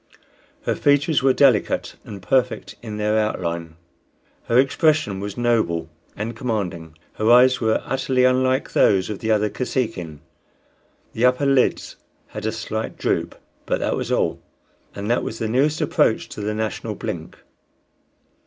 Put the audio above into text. Her features were delicate and perfect in their outline; her expression was noble and commanding. Her eyes were utterly unlike those of the other Kosekin; the upper lids had a slight droop, but that was all, and that was the nearest approach to the national blink.